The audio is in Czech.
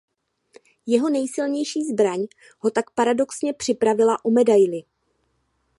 Jeho nejsilnější zbraň ho tak paradoxně připravila o medaili.